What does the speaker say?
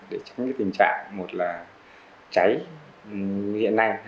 để tránh cái tình trạng một là cháy hiện nay